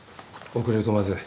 遅れるとまずい。